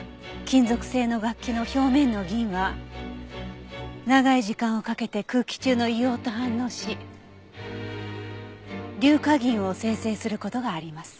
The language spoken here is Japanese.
金属製の楽器の表面の銀は長い時間をかけて空気中の硫黄と反応し硫化銀を生成する事があります。